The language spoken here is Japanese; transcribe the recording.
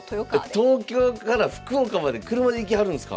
え東京から福岡まで車で行きはるんすか？